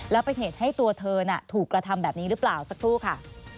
แล้วเป็นเหตุให้ตัวเธอน่ะถูกกระทำแบบนี้หรือเปล่าสักครู่ค่ะ